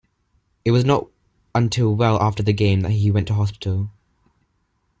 It was not until well after the game that he went to hospital.